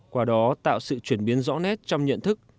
qua đó tạo sự chuyển biến rõ nét trong nhận thức